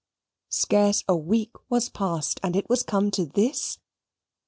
Scarce a week was past, and it was come to this!